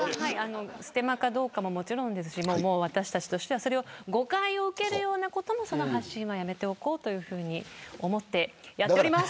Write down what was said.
ステマかどうかももちろんですし私たちとしては誤解を受けるようなことも発信はやめておこうというふうに思ってやっております。